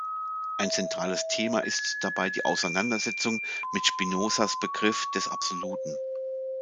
Ein zentrales Thema ist dabei die Auseinandersetzung mit Spinozas Begriff des Absoluten.